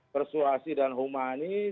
persuasi dan humanis